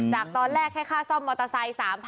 จากตอนแรกแค่ค่าซ่อมมอเตอร์ไซค์๓๐๐๐